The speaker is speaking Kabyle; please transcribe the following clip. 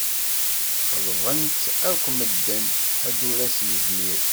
Xeḍben-tt akk medden, ḥedd ur as-yezmir.